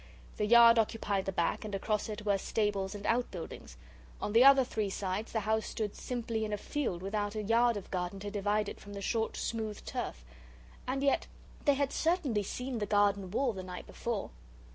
The yard occupied the back, and across it were stables and outbuildings. On the other three sides the house stood simply in a field, without a yard of garden to divide it from the short smooth turf. And yet they had certainly seen the garden wall the night before.